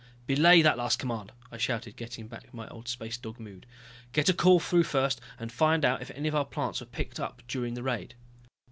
"Belay that last command," I shouted, getting back into my old space dog mood. "Get a call through first and find out if any of our plants were picked up during the raid."